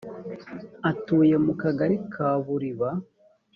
atuye mu kagari ka buriba.